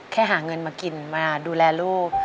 หาเงินมากินมาดูแลลูก